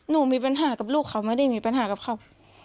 หนูมีปัญหากับลูกเขาไม่ได้มีปัญหากับเขา